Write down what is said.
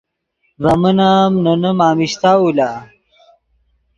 ڤے من ام نے نیم امیشتاؤ لا